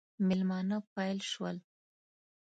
مېلمانه پیل شول.